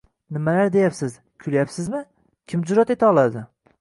- Nimalar deyapsiz, kulyapsizmi, kim jur’at eta oladi?